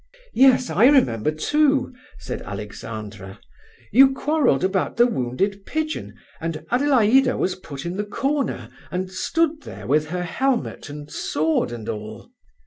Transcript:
"Yes, I remember too!" said Alexandra. "You quarrelled about the wounded pigeon, and Adelaida was put in the corner, and stood there with her helmet and sword and all."